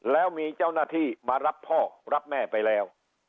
แล้วมีเจ้าหน้าที่มารับพ่อรับแม่ไปแล้ว